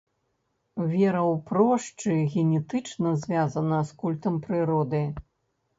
Вера ў прошчы генетычна звязаная з культам прыроды.